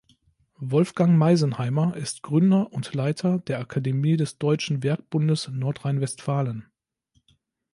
Wolfgang Meisenheimer ist Gründer und Leiter der Akademie des Deutschen Werkbundes Nordrhein-Westfalen.